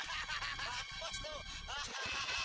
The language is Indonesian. jangan bunuh saya